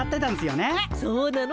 そうなの？